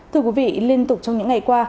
thưa quý vị liên tục trong những ngày qua